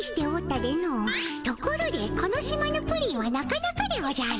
ところでこの島のプリンはなかなかでおじゃる。